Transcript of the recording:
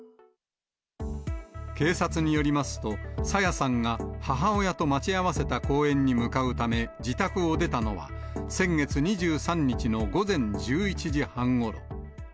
警察によりますと、朝芽さんが母親と待ち合わせた公園に向かうため自宅を出たのは、先月２３日の午前１１時半ごろ。